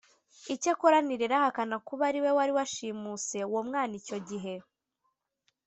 Icyakora Nirere ahakana kuba ari we wari washimuse uwo mwana icyo gihe